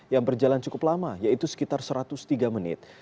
yang berjalan cukup lama yaitu sekitar satu ratus tiga menit